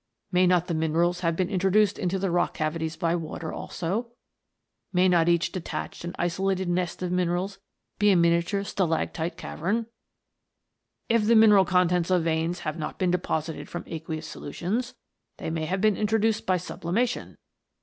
May not the minerals have been introduced into the rock cavities by water also ? May not each de tached and isolated nest of minerals be a miniature stalactite cavern 1 "If the mineral contents of veins have not been deposited from aqueous solutions, they may have been introduced by sublimation.